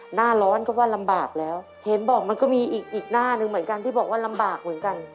หน้าร้อนก็ว่าลำบากแล้วเห็นบอกมันก็มีอีกหน้าหนึ่งเหมือนกันที่บอกว่าลำบากเหมือนกัน